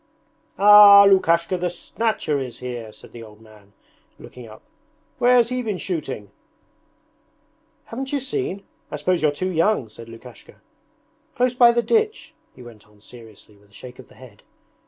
'Ah! Lukashka the Snatcher is here!' said the old man, looking up. 'Where has he been shooting?' 'Haven't you seen? I suppose you're too young!' said Lukashka. 'Close by the ditch,' he went on seriously with a shake of the head.